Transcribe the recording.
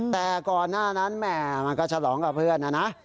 แต่ก่อนหน้านั้นแหม่มันก็ฉลองกับเพื่อนนะนะ